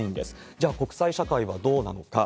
じゃあ、国際社会はどうなのか。